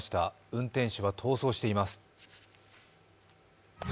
運転手は逃走しています。